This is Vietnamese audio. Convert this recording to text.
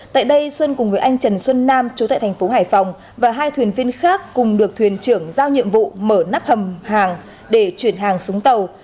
tại đây xuân cùng với anh trần xuân nam chú tại thành phố hải phòng và hai thuyền viên khác cùng được thuyền trưởng giao nhiệm vụ mở nắp hầm hàng để chuyển hàng xuống tàu